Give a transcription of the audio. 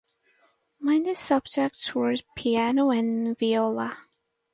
Minor subjects were piano and viola.